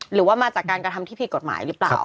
หรือว่ามาจากการกระทำที่ผิดกฎหมายหรือเปล่า